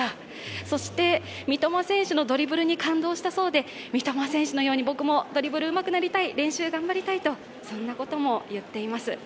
そして三笘選手のドリブルに感動したようで三笘選手のように僕もドリブルうまくなりたい、練習頑張りたいと話しています。